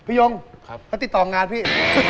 พี่ยงมาติดต่องานพี่